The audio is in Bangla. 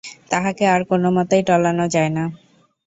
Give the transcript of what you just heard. তাহাকে আর কোনোমতেই টলানো যায় না।